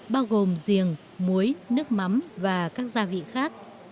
bao gồm giềng muối nước mắm và các gia vị khác